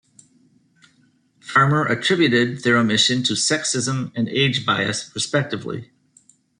Farmer attributed their omission to sexism and age bias, respectively.